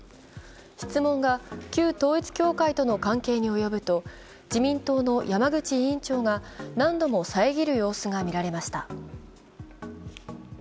質問が旧統一教会との関係に及ぶと自民党の山口委員長が何度も遮る様子が見られました。